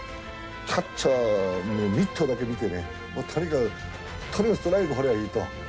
キャッチャーのミットだけ見てねとにかくストライク放りゃいいと。